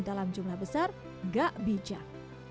dalam jumlah besar gak bijak